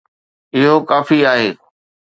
اهو ڪافي آهي.